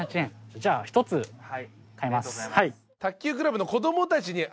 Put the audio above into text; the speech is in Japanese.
じゃあ１つ買います。